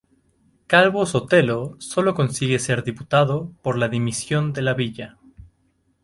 Calvo-Sotelo solo consigue ser diputado por la dimisión de Lavilla.